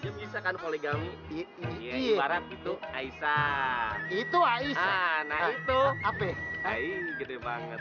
immarate itu aisha itu ayah nah itu hp gede banget